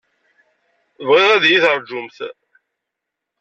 Bɣiɣ ad yi-terjumt.